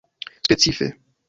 specife